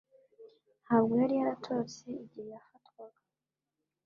Ntabwo yari yaratorotse igihe yafatwaga